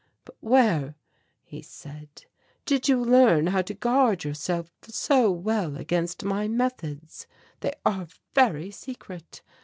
But where," he said, "did you learn how to guard yourself so well against my methods? They are very secret.